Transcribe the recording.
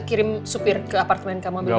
kirim supir ke apartemen kamu ambil baju